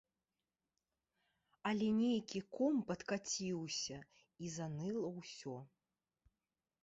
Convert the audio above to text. Але нейкі ком падкаціўся, і заныла ўсё.